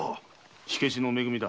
火消しのめ組だ。